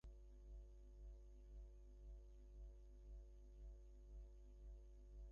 নিসার আলি ভাত ডাল এবং এক পিস ইলিশ মাছ দিয়ে রাতের খাবার শেষ করলেন।